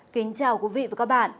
kính chào quý vị và các bạn